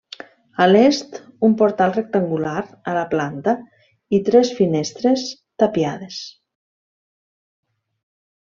A l'est un portal rectangular a la planta i tres finestres tapiades.